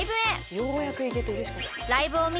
「ようやく行けて嬉しかった」